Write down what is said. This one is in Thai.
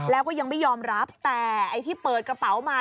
แล้วก็ยังไม่ยอมรับแต่ไอ้ที่เปิดกระเป๋ามา